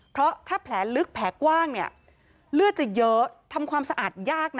เพราะถ้าแผลลึกแผลกว้างเนี่ยเลือดจะเยอะทำความสะอาดยากนะ